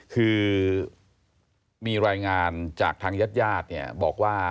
คือมีรายงานจากทางญาติญาติเนี่ยบอกว่า